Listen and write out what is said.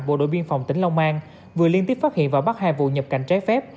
bộ đội biên phòng tỉnh long an vừa liên tiếp phát hiện và bắt hai vụ nhập cảnh trái phép